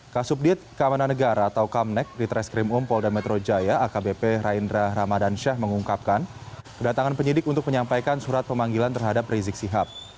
k subdit keamanan negara atau kamnek di traskrim umpol dametro jaya akbp raindra ramadansyah mengungkapkan kedatangan penyidik untuk menyampaikan surat pemanggilan terhadap rizik sihab